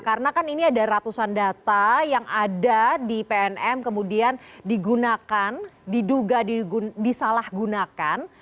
karena kan ini ada ratusan data yang ada di pnm kemudian digunakan diduga disalahgunakan